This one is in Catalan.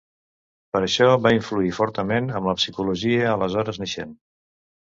Per això va influir fortament en la psicologia, aleshores naixent.